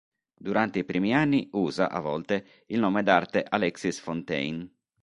Durante i primi anni usa, a volte, il nome d'arte Alexis Fontaine.